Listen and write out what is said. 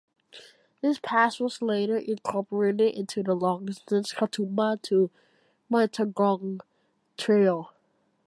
This pass was later incorporated into the long-distance Katoomba to Mittagong Trail.